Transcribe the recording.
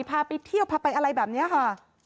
พาไปเที่ยวพาไปอะไรแบบนี้ค่ะ